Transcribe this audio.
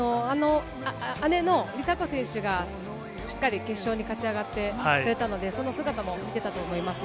姉の梨紗子選手がしっかり決勝に勝ち上がってくれたので、その姿も見てたと思います。